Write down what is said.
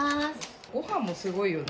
ごはんもすごいよね。